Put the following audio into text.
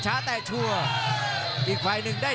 กำปั้นขวาสายวัดระยะไปเรื่อย